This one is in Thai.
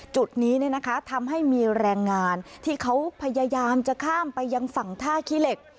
จุดนี้ทำให้มีแรงงานที่เขาพยายามจะข้ามไปยังฝั่งท่าขี้เหล็ก